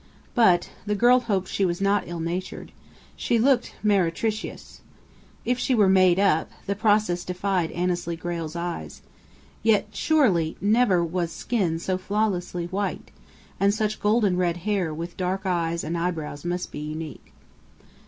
But the girl hoped she was not ill natured she looked meretricious. If she were "made up," the process defied Annesley Grayle's eyes; yet surely never was skin so flawlessly white; and such golden red hair with dark eyes and eyebrows must be unique.